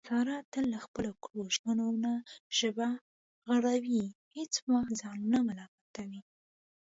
ساره تل له خپلو کړو ژمنو نه ژبه غړوي، هېڅ وخت ځان نه ملامتوي.